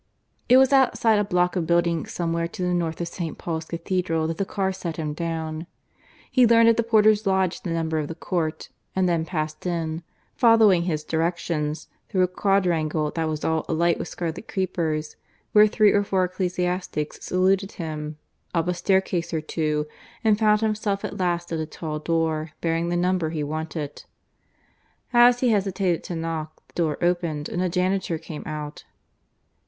It was outside a block of buildings somewhere to the north of St. Paul's Cathedral that the car set him down. He learned at the porter's lodge the number of the court, and then passed in, following his directions, through a quadrangle that was all alight with scarlet creepers, where three or four ecclesiastics saluted him, up a staircase or two, and found himself at last at a tall door bearing the number he wanted. As he hesitated to knock, the door opened, and a janitor came out.